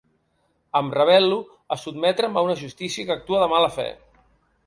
Em rebel·lo a sotmetre’m a una justícia que actua de mala fe.